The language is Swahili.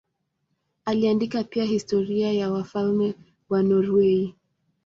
Aliandika pia historia ya wafalme wa Norwei.